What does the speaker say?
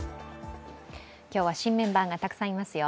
今日は、新メンバーがたくさんいますよ。